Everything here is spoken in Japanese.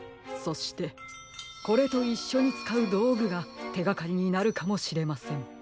そしてこれといっしょにつかうどうぐがてがかりになるかもしれません。